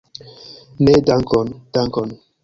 Ne, dankon, dankon.